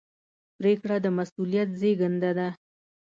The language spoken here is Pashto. پرېکړه د مسؤلیت زېږنده ده.